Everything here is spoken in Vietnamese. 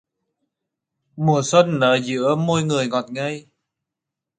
Mùa xuân nở giữa môi người ngọt ngây